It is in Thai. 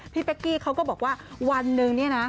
เป๊กกี้เขาก็บอกว่าวันหนึ่งเนี่ยนะ